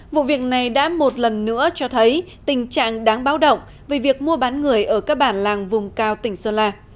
vụ việc này đã một lần nữa cho thấy tình trạng đáng báo động về việc mua bán người ở các bản làng vùng cao tỉnh sơn la